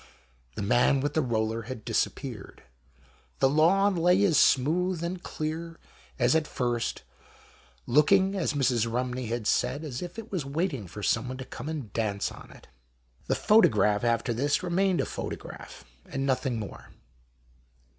The man with the roller had disappeared. 12 THE MAN WITH THE EOLLEK. The lawn lay as smooth and clear as at first, "looking," as Mrs. Eumney had said, "as if it was waiting for someone to come and dance on it." The photograph, after this, remained a photograph and nothing more.